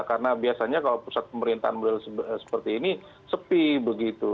karena biasanya kalau pusat pemerintahan seperti ini sepi begitu